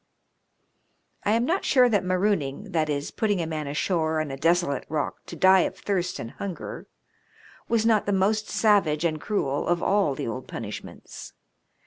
I am not sure that *' marooning "— that is, putting a man ashore on a desolate rock to die of thirst and hunger — ^was not the most savage and cruel of all the old punishments.